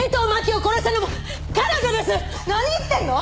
何言ってんの！？